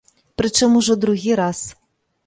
Прычым ужо другі раз.